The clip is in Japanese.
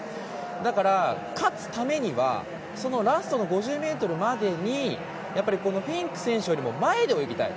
だから勝つためにはラストの５０ｍまでにフィンク選手よりも前で泳ぎたい。